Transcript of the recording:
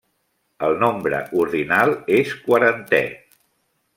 El nombre ordinal és quarantè.